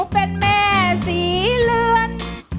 เป็นแม่สีเหลือน